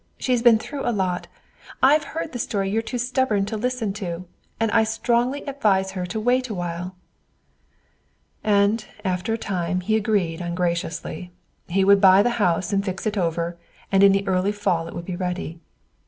She's been through a lot. I've heard the story you're too stubborn to listen to. And I strongly advise her to wait a while." And after a time he agreed ungraciously. He would buy the house and fix it over, and in the early fall it would be ready.